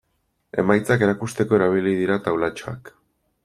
Emaitzak erakusteko erabili dira taulatxoak.